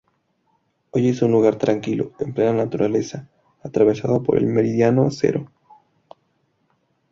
Hoy es un lugar tranquilo, en plena naturaleza, atravesado por el Meridiano Cero.